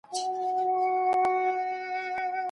دا غرنۍ لاره تر هغې بلې لارې ډېره تنګ او سخته ده.